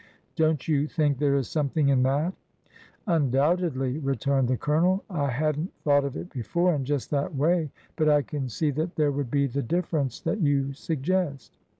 Don't you think there is something in that ?"" Undoubtedly," returned the Colonel. " I had n't thought of it before in just that way, but I can see that there would be the difference that you suggest."